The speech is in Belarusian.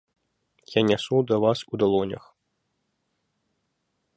Я нясу да вас у далонях.